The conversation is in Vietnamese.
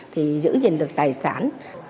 thì giữ gìn được tài sản